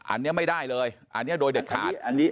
อันนี้ไม่ได้เลยอันนี้โดยเด็ดขาด